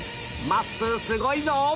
まっすーすごいぞ！